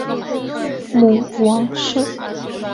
母王氏。